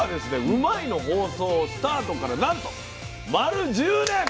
「うまいッ！」の放送スタートからなんと丸１０年！